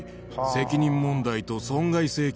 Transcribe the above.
「責任問題と損害請求が」